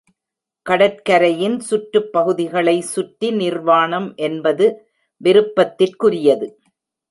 கடற்கரையின் சுற்றுப்பகுதிகளை சுற்றி, நிர்வாணம் என்பது விருப்பத்திற்குரியது.